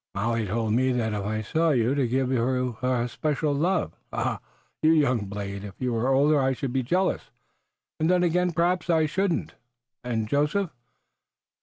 Molly told me that if I saw you to give you her special love. Ah, you young blade, if you were older I should be jealous, and then, again, perhaps I shouldn't!" "And Joseph?"